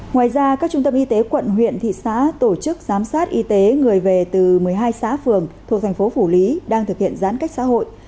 ngoài ra các trung tâm y tế quận huyện thị xã tổ chức giám sát y tế người về từ một mươi hai xã phường thuộc thành phố phủ lý đang thực hiện giãn cách xã hội